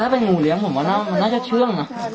ถ้าไปโงะเลื้องคือะว่าน่าจะเชื่อมนะ